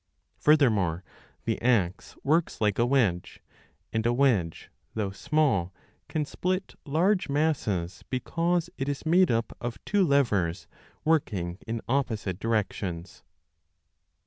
Furthermore, the axe works like a wedge ; and a wedge, though small, can split large masses because it is made up of two levers working in opposite directions.